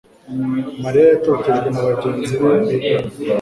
Mariya yatotejwe na bagenzi be bigana